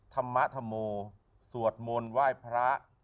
ธรรมธรโมสวดมนต์ไหว้พระ